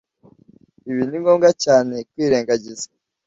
Ibi ni ngombwa cyane kwirengagiza.